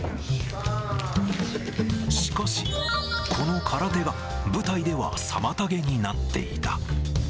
しかし、この空手が舞台では妨げになっていた。